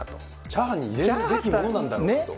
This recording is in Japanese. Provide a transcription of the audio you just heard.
チャーハンに入れるべきものなんだろうかと。